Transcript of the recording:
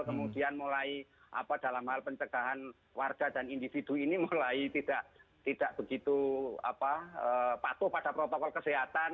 kemudian mulai dalam hal pencegahan warga dan individu ini mulai tidak begitu patuh pada protokol kesehatan